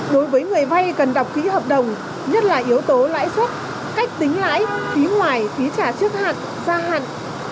đối với người vay cần đọc kỹ hợp đồng nhất là yếu tố lãi suất cách tính lãi phí ngoài phí trả trước hạn gia hạn